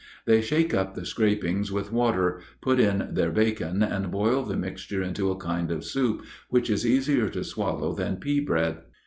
They shake up the scrapings with water, put in their bacon, and boil the mixture into a kind of soup, which is easier to swallow than pea bread.